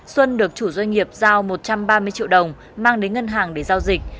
xuân được chủ doanh nghiệp giao một trăm ba mươi triệu đồng mang đến ngân hàng để giao dịch